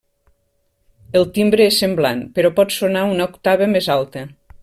El timbre és semblant, però pot sonar una octava més alta.